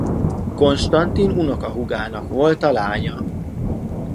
Konstantin unokahúgának volt a lánya.